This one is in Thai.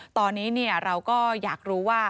ตอนนี้เราก็อยากรู้ว่า